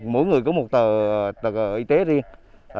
mỗi người có một tờ y tế riêng